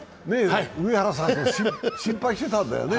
上原さんと心配してたんだよね